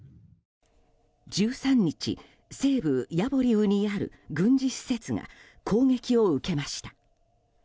１３日、西部ヤボリウにある軍事施設が攻撃を受けました。